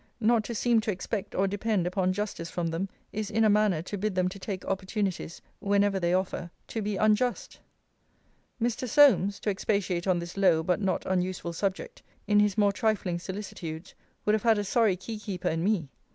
Not to seem to expect or depend upon justice from them, is in a manner to bid them to take opportunities, whenever they offer, to be unjust. Mr. Solmes, (to expatiate on this low, but not unuseful subject,) in his more trifling solicitudes, would have had a sorry key keeper in me.